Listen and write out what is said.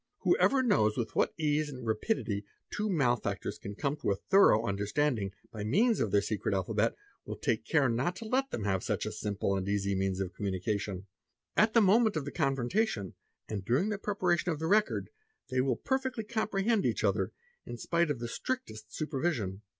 Who ever knows with what ease and rapidity two malefactors can come to: thorough understanding by means of their secret alphabet will take car not to let them have such a simple and easy means of communicatior at the moment of the confrontation and during the preparation of th record, they will perfectly comprehend each other, in spite of the stx ict est supervision.